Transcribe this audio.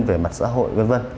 về mặt xã hội v v